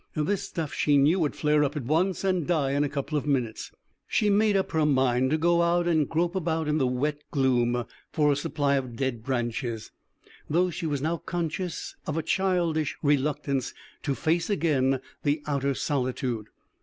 This stuff, she knew, would flare up at once and die in a couple of minutes. She made up her mind to go out and grope about in the wet gloom for a supply of dead branches, though she was now conscious of a childish reluctance to face again the outer solitude.